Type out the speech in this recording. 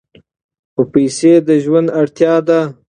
خو پیسې د ژوند اړتیا ده.